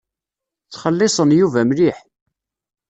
Ttxelliṣen Yuba mliḥ.